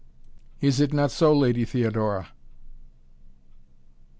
Is it not so, Lady Theodora?"